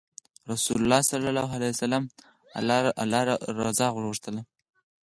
رسول الله ﷺ الله رضا غوښتله.